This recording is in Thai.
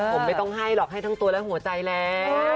ผมไม่ต้องให้หรอกให้ทั้งตัวและหัวใจแล้ว